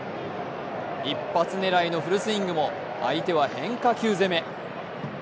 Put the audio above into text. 一発狙いのフルスイングも相手は変化球攻め。